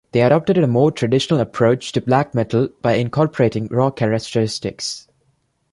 They adopted a more traditional approach to black metal by incorporating raw characteristics.